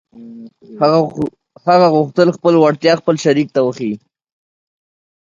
هغه غوښتل خپله وړتيا خپل شريک ته وښيي.